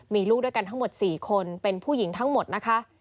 มีลูกด้วยกันทั้งหมด๔คนเป็นผู้หญิงทั้งหมดนะคะ